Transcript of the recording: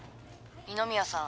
二宮さん